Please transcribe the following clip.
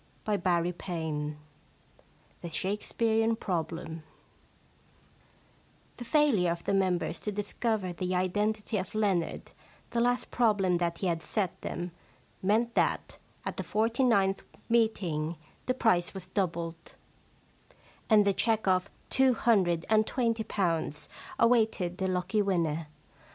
I No. VII THE SHAKESPEAREAN PROBLEM The failure of the members to discover the identity of Leonard — the last problem that he had set them — meant that at the forty ninth meeting the prize was doubled, and a cheque for two hundred and twenty pounds awaited the lucky winner.